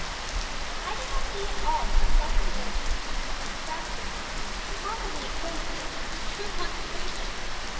But I do not see at all how self indulgence and needless extravagance can possibly co exist with true consecration.